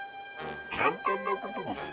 「簡単なことです。